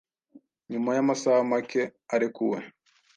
nyuma y’amasaha macye arekuwe.